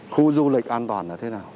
khu du lịch an toàn là thế nào